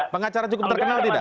pengacara cukup terkenal tidak